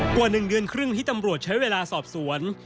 กว่า๑เดือนครึ่งที่ตำรวจใช้เวลาสอบสวน